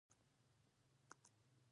عام خلک یې ساده کورونه او ساده ژوند لري.